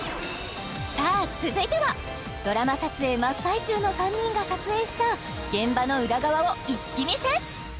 さあ続いてはドラマ撮影真っ最中の３人が撮影した現場の裏側を一気見せ！